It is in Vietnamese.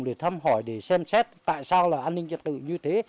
để thăm hỏi để xem xét tại sao là an ninh trật tự như thế